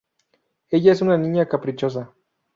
Ella es una niña caprichosa.